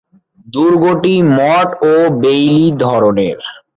দুর্গটি 'মট ও বেইলী' ধরনের।